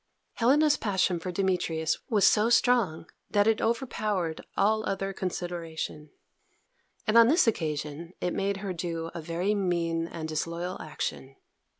Helena's passion for Demetrius was so strong that it overpowered all other consideration, and on this occasion it made her do a very mean and disloyal action.